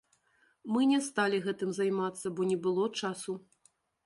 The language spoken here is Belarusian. Мы не сталі гэтым займацца, бо не было часу.